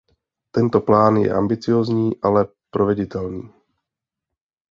Tento plán je ambiciózní, ale proveditelný.